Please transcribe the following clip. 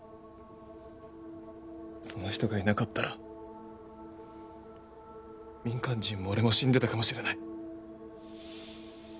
その人がいなかったら民間人も俺も死んでたかもしれない。